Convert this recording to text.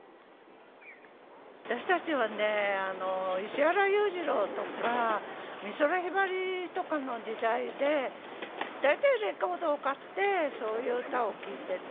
私たちはね、石原裕次郎とか美空ひばりとかの時代で、大体レコードを買ってそういう歌を聴いてた。